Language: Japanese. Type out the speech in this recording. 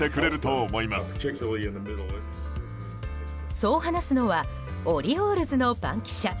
そう話すのはオリオールズの番記者